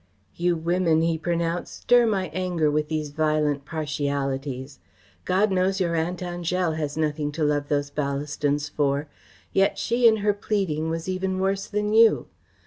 "You women," he pronounced, "stir my anger with these violent partialities. God knows your Aunt Angèle has nothing to love those Ballastons for. Yet she in her pleading was even worse than you.